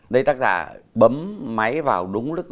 đây tác giả bấm máy vào đúng lúc